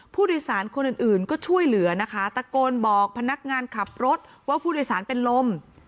ผู้โดยสารคนอื่นอื่นก็ช่วยเหลือนะคะตะโกนบอกพนักงานขับรถว่าผู้โดยสารเป็นลม